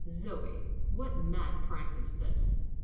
"Zoe, what mad prank is this?